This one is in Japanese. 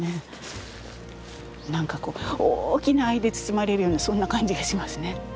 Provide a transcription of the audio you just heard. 何かこう大きな愛で包まれるようなそんな感じがしますね。